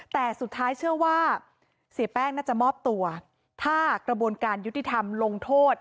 แต่สุดท้ายเชื่อว่าเสียแป้งน่าจะมอบตัวถ้ากระบวนการยุติธรรมลงโทษ